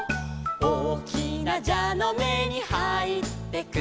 「おおきなじゃのめにはいってく」